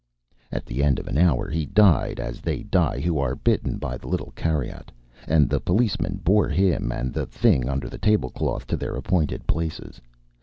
At the end of an hour he died as they die who are bitten by the little kariat, and the policeman bore him and the thing under the table cloth to their appointed places.